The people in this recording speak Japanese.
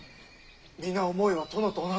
皆思いは殿と同じ。